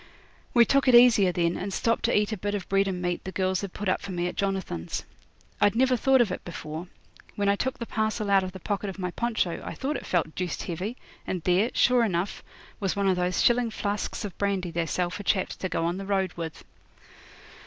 We took it easier then, and stopped to eat a bit of bread and meat the girls had put up for me at Jonathan's. I'd never thought of it before. When I took the parcel out of the pocket of my poncho I thought it felt deuced heavy, and there, sure enough, was one of those shilling flasks of brandy they sell for chaps to go on the road with.